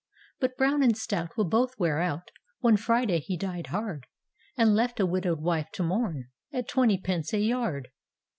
But Brown and stout will both wear out One Friday he died hard. And left a widow'd wife to mourn At twenty pence a yard.